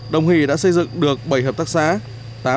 đồng hỷ đã xây dựng được bảy hợp tác xã